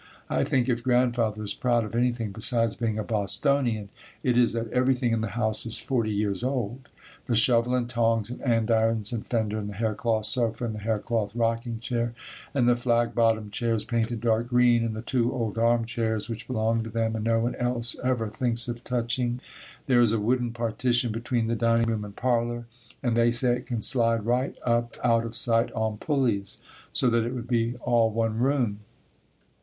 I think if Grandfather is proud of anything besides being a Bostonian, it is that everything in the house is forty years old. The shovel and tongs and andirons and fender and the haircloth sofa and the haircloth rocking chair and the flag bottomed chairs painted dark green and the two old arm chairs which belong to them and no one else ever thinks of touching. There is a wooden partition between the dining room and parlor and they say it can slide right up out of sight on pulleys, so that it would be all one room.